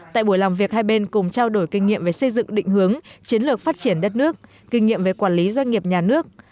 tại buổi làm việc hai bên cùng trao đổi kinh nghiệm về xây dựng định hướng chiến lược phát triển đất nước kinh nghiệm về quản lý doanh nghiệp nhà nước